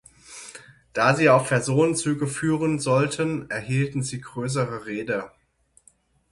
Da sie auch Personenzüge führen sollten, erhielten sie größere Räder.